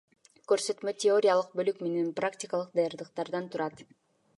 Көрсөтмө теориялык бөлүк менен практикалык даярдыктардан турат.